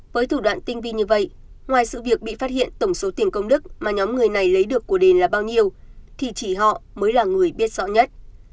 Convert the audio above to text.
với thủ đoạn tinh vi như vậy ngoài sự việc bị phát hiện tổng số tiền công đức mà nhóm người này lấy được của đền là bao nhiêu thì chỉ họ mới là người biết rõ nhất